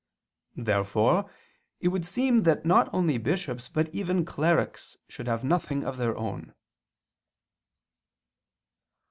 Therefore it would seem that not only bishops but even clerics should have nothing of their own.